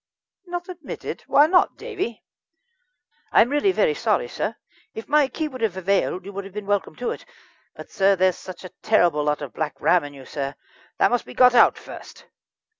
"Not admitted? Why not, Davie?" "I really am very sorry, sir. If my key would have availed, you would have been welcome to it; but, sir, there's such a terrible lot of Black Ram in you, sir. That must be got out first."